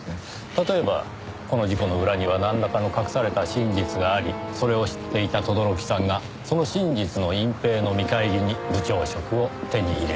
例えばこの事故の裏にはなんらかの隠された真実がありそれを知っていた轟さんがその真実の隠蔽の見返りに部長職を手に入れた。